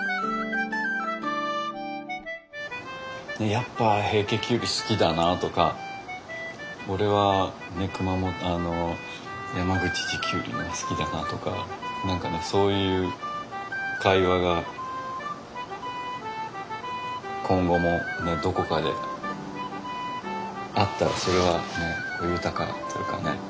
やっぱ平家キュウリ好きだなとか俺は山口地キュウリが好きだなとか何かねそういう会話が今後もどこかであったらそれは豊かというかね